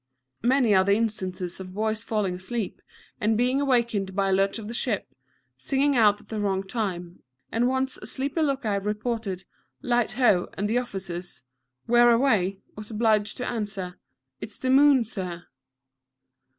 Many are the instances of boys falling asleep, and being awakened by a lurch of the ship, singing out at the wrong time, and once a sleepy look out reported "Light, ho!" and to the officer's "Where away?" was obliged to answer, "It's the moon, Sir!"